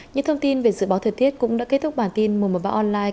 những thông tin về dự báo thời tiết cũng đã kết thúc bản tin mùa mở báo online